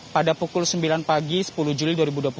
pada pukul sembilan pagi sepuluh juli dua ribu dua puluh tiga